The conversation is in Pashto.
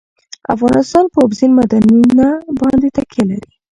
افغانستان په اوبزین معدنونه باندې تکیه لري.